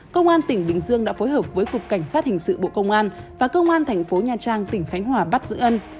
công an tỉnh bình dương đã phối hợp với cục cảnh sát hình sự bộ công an và công an thành phố nha trang tỉnh khánh hòa bắt giữ ân